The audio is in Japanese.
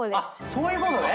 そういうことね。